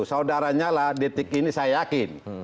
saudaranya lah detik ini saya yakin